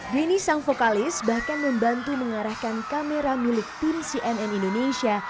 denny sang vokalis bahkan membantu mengarahkan kamera milik tim cnn indonesia